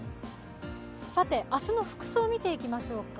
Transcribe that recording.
明日の服装を見ていきましょうか。